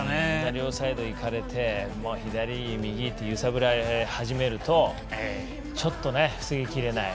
両サイド行かれて左、右って揺さぶられ始めるとちょっとね、防ぎきれない。